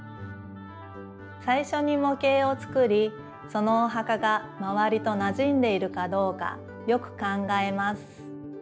さいしょにもけいを作りそのお墓がまわりとなじんでいるかどうかよく考えます。